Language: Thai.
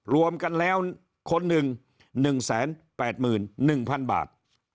รวมกันแล้วคนหนึ่ง๑๘๑๐๐๐บาท